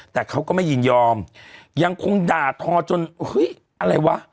แต่เขาก็ไม่ยินยอมยังคงด่าทอจนเฮ้ยอะไรวะ